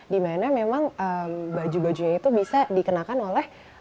dimana memang baju bajunya itu bisa dikenakan oleh berbagai macam ukuran